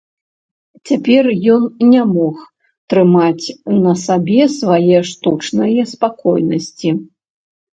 Цяпер ён не мог трымаць на сабе свае штучнае спакойнасці.